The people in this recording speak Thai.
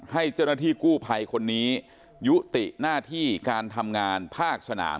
ให้เจ้าหน้าที่กู้ภัยคนนี้ยุติหน้าที่การทำงานภาคสนาม